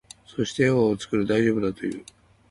そして、笑顔を作る。大丈夫だと言う。